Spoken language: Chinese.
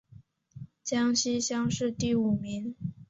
江西乡试第五名。